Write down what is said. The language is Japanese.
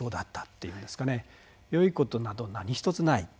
よいことなど何一つない。